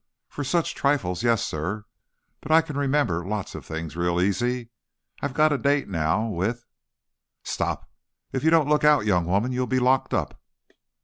"For such trifles, yes, sir. But I can remember lots of things real easy. I've got a date now, with " "Stop! If you don't look out, young woman, you'll be locked up!"